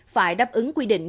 phải đáp ứng quy định